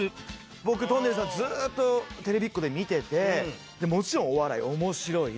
僕とんねるずさんをずっとテレビっ子で見ててもちろんお笑い面白い。